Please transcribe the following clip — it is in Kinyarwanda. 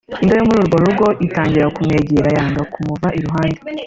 imbwa yo muri urwo rugo itangira kumwegera yanga kumuva iruhande